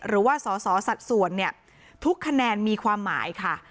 หรือว่าสอสอสัดส่วนเนี่ยทุกคะแนนมีความหมายค่ะ